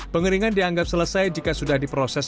pengeringan dianggap selesai jika sudah diproses